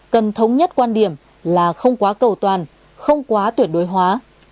cần thống nhất quan điểm là không quá cầu toàn không quá tuyệt đối hóa